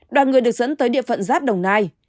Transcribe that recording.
đoàn người được dẫn tới địa phận giáp đồng nai